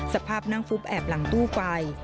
สภาพนั่งฟุบแอบหลังตู้ไฟ